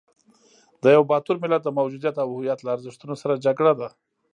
د یوه باتور ملت د موجودیت او هویت له ارزښتونو سره جګړه ده.